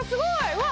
うわ！